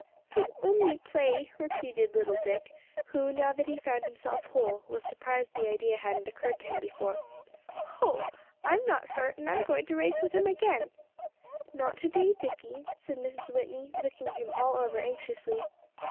"'Twas only play," repeated little Dick, who, now that he found himself whole, was surprised the idea hadn't occurred to him before. "Hoh! I'm not hurt, and I'm going to race with him again." "Not to day, Dicky," said Mrs. Whitney, looking him all over anxiously.